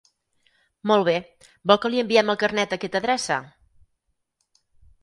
Molt bé, vol que li enviem el Carnet a aquesta adreça?